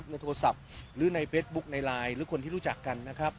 ในโทรศัพท์หรือในเว็บบุ๊คในไลน์